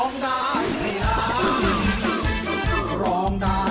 ร้องได้ให้ล้าน